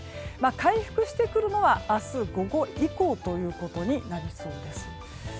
回復してくるのは明日午後以降となりそうです。